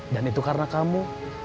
dan itu karena kamu